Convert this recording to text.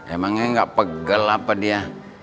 emangnya nggak pegel apa dia